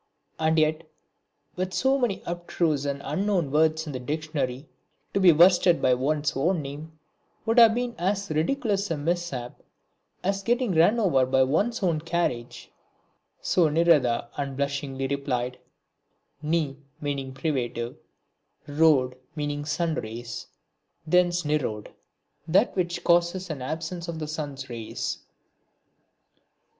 And yet, with so many abstruse and unknown words in the dictionary, to be worsted by one's own name would have been as ridiculous a mishap as getting run over by one's own carriage, so Nirada unblushingly replied: "Ni privative, rode sun rays; thence Nirode that which causes an absence of the sun's rays!"